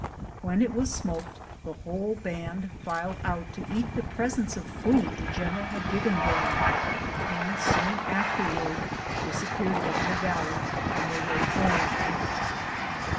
When it was smoked, the whole band filed out to eat the presents of food the general had given them, and soon afterwards disappeared down the valley on their way home.